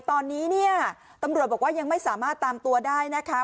ตอนนี้เนี่ยตำรวจบอกว่ายังไม่สามารถตามตัวได้นะคะ